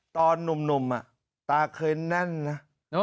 ตอนหนุ่มอะตาเคยแน่นน่ะ